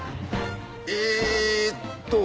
えっと。